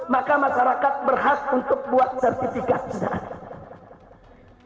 maka masyarakat berhak untuk buat sertifikat